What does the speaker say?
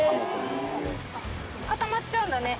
固まっちゃうんだね